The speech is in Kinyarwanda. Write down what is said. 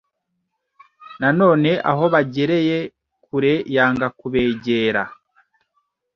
Na none aho bagereye kure yanga kubegera